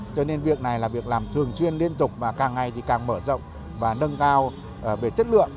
cho nên việc này là việc làm thường xuyên liên tục và càng ngày thì càng mở rộng và nâng cao về chất lượng